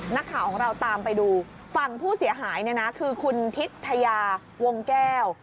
นักข่าวของเราตามไปดูฝั่งผู้เสียหายเนี่ยนะคือคุณทิศยาวงแก้ว